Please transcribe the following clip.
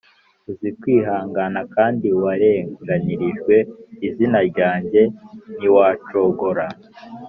Uzi kwihangana kandi warenganirijwe izina ryanjye ntiwacogora.